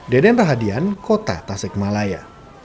deden rahadian kota tasikmalaya